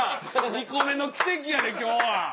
２個目の奇跡やで今日は。